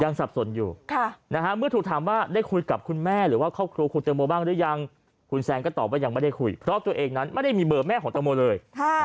สับสนอยู่เมื่อถูกถามว่าได้คุยกับคุณแม่หรือว่าครอบครัวคุณแตงโมบ้างหรือยังคุณแซนก็ตอบว่ายังไม่ได้คุยเพราะตัวเองนั้นไม่ได้มีเบอร์แม่ของตังโมเลย